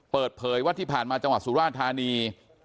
เปิดเผยว่าที่ผ่านมาจังหวัดสุราธานี